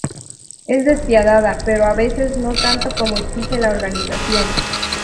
Es despiadada, pero a veces no tanto como exige la organización.